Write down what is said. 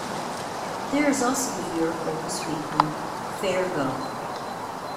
There is also the viewer focused weekly "Fair Go".